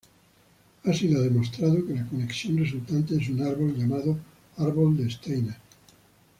Ha sido demostrado que la conexión resultante es un árbol, llamado árbol de Steiner.